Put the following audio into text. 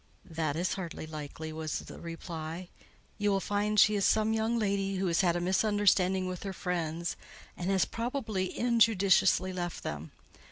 "That is hardly likely," was the reply. "You will find she is some young lady who has had a misunderstanding with her friends, and has probably injudiciously left them.